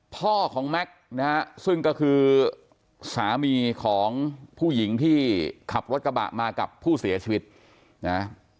พ่อของแม็กซ์นะฮะซึ่งก็คือสามีของผู้หญิงที่ขับรถกระบะมากับผู้เสียชีวิตนะ